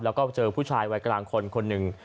แล้วก็เจอผู้ชายวัยกลางคนคนหนึ่ง